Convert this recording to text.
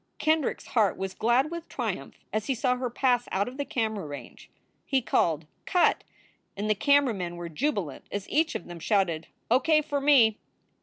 Kendrick s heart was glad with triumph as he saw her pass out of the camera range. He called, "Cut !" and the camera men were jubilant as each of them shouted "O.K. for me!"